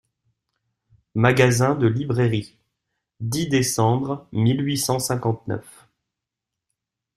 MAGASIN DE LIBRAIRIE, dix décembre mille huit cent cinquante-neuf.